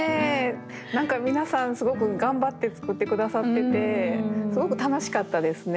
何か皆さんすごく頑張って作って下さっててすごく楽しかったですね。